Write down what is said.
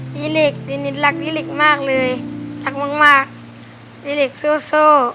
ดีริกเดนิสรักดีริกมากเลยรักมากดีริกสู้